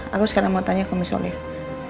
aku sekarang mau tanya ke miss olivia